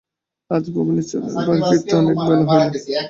আজ ভবানীচরণের বাড়ি ফিরিতে অনেক বেলা হইল।